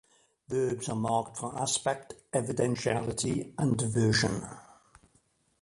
Verbs are marked for aspect, evidentiality and "version".